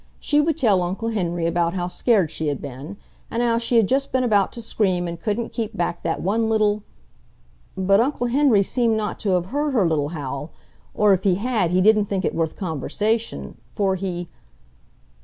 She would tell Uncle Henry about how scared she had been, and how she had just been about to scream and couldn't keep back that one little ... But Uncle Henry seemed not to have heard her little howl, or, if he had, didn't think it worth conversation, for he